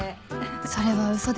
それはウソです